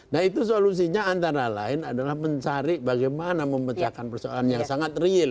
nah itu solusinya antara lain adalah mencari bagaimana memecahkan persoalan yang sangat real